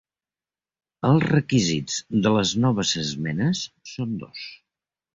Els requisits de les noves esmenes són dos.